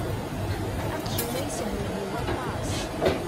Aqjun-a yeshewhiw aṭas.